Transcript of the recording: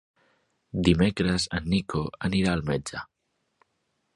Dimecres en Nico anirà al metge.